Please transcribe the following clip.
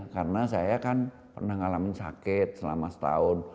karena saya kan pernah mengalami sakit selama setahun